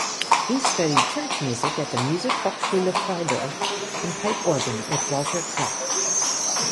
He studied church music at the Musikhochschule Freiburg and pipe organ with Walter Kraft.